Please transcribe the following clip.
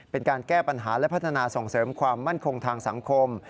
เป็นการแก้ปัญหาและพัฒนาส่งเสริมความมั่นคงทางสังคม